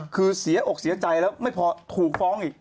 คือเสียอกเสียใจแล้วไม่พอถูกฟ้องอีก